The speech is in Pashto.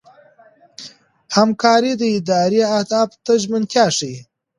همکاري د ادارې اهدافو ته ژمنتیا ښيي.